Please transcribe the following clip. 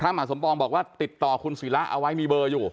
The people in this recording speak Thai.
หมาสมปองบอกว่าติดต่อคุณศิระเอาไว้มีเบอร์อยู่